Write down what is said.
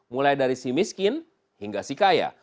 mulai dari si miskin hingga si kaya